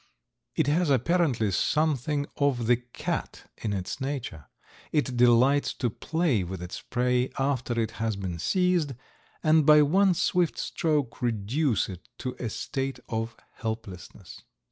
It has apparently something of the cat in its nature. It delights to play with its prey after it has been seized, and by one swift stroke reduce it to a state of helplessness.